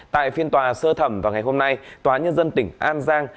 tại phiên tòa sơ thẩm vào ngày hôm nay tòa nhân dân tỉnh an giang